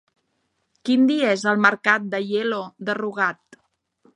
Quin dia és el mercat d'Aielo de Rugat?